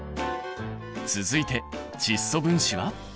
続いて窒素分子は？